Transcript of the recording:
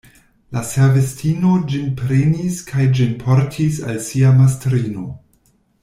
La servistino ĝin prenis kaj ĝin portis al sia mastrino.